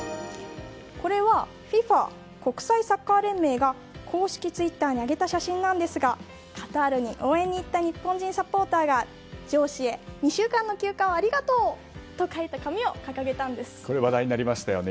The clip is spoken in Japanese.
ＦＩＦＡ・国際サッカー連盟が公式ツイッターに上げた写真なんですがカタールに応援に行った日本人サポーターが上司へ「２週間の休暇をありがとう」と書いた紙をこれ、話題になりましたよね。